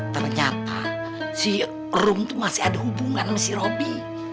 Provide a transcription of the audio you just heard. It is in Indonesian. ternyata si rom tuh masih ada hubungan sama si robby